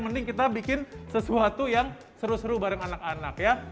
mending kita bikin sesuatu yang seru seru bareng anak anak ya